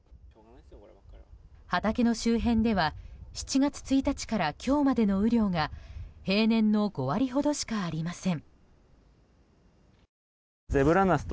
畑の周辺では７月１日から今日までの雨量が平年の５割ほどしかありません。